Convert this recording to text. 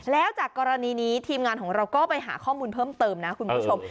แล้วจากกรณีนี้ทีมงานของเราก็ไปหาข้อมูลเพิ่มเติมนะคุณผู้ชม